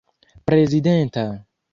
prezidenta